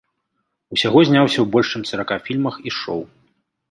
Усяго зняўся ў больш чым сарака фільмах і шоў.